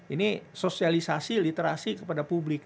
ini sosialisasi literasi kepada publik